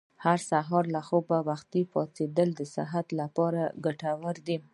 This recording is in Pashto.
هر سهار له خوبه وختي پاڅېدل د صحت لپاره ګټور دي.